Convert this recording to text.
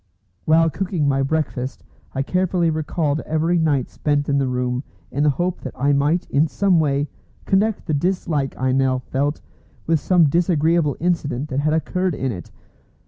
While cooking my breakfast, I carefully recalled every night spent in the room, in the hope that I might in some way connect the dislike I now felt with some disagreeable incident that had occurred in it.